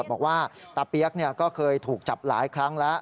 บอกว่าตาเปี๊ยกก็เคยถูกจับหลายครั้งแล้ว